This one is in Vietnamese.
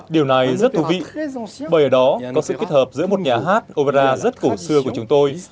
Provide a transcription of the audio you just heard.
điều này rất thú vị bởi ở đó có sự kết hợp giữa một nhà hát opera rất cổ xưa của chúng tôi